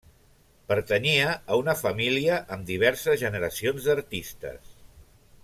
Pertanyia a una família amb diverses generacions d'artistes.